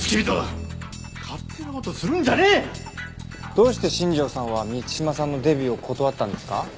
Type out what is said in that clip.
どうして新庄さんは満島さんのデビューを断ったんですか？